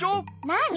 なに？